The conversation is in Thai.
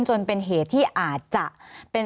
สวัสดีครับทุกคน